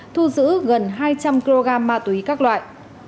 thu giữ gần hai trăm linh kg ma túy các loại